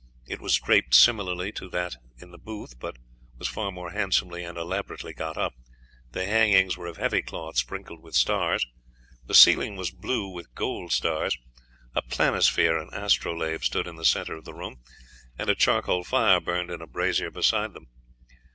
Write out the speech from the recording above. It was draped similarly to that in the booth, but was far more handsomely and elaborately got up. The hangings were of heavy cloth sprinkled with stars, the ceiling was blue with gold stars, a planisphere and astrolabe stood in the centre of the room, and a charcoal fire burned in a brazier beside them.